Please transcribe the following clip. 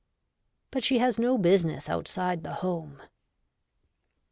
But she has no business outside the home.